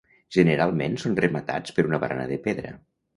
Generalment són rematats per una barana de pedra.